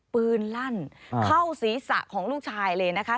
ลั่นเข้าศีรษะของลูกชายเลยนะคะ